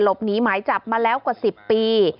หลบหนีหมายจับมาแล้วกว่า๑๐ปี